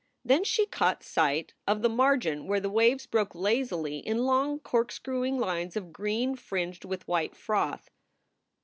Then she caught sight of the margin where the waves broke lazily in long cork screwing lines of green fringed with white froth.